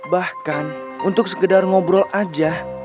bahkan untuk sekedar ngobrol aja